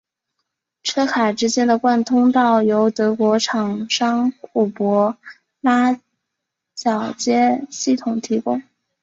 车卡之间的贯通道由德国厂商虎伯拉铰接系统提供。